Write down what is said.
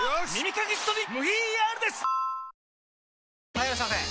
・はいいらっしゃいませ！